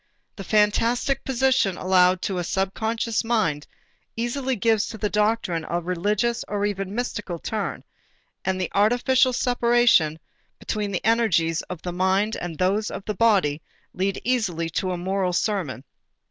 The fantastic position allowed to a subconscious mind easily gives to the doctrine a religious or even a mystical turn and the artificial separation between the energies of the mind and those of the body leads easily to a moral sermon.